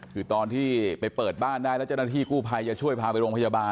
คือตอนที่ไปเปิดบ้านได้แล้วเจ้าหน้าที่กู้ภัยจะช่วยพาไปโรงพยาบาล